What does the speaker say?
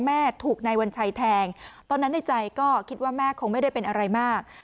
แม่ถูกนายวัญชัยแทงตอนนั้นในใจก็คิดว่าแม่คงไม่ได้เป็นอะไรมาก